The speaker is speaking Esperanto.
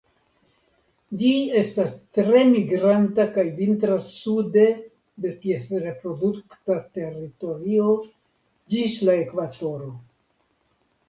Ĝi estas tre migranta kaj vintras sude de ties reprodukta teritorio ĝis la ekvatoro.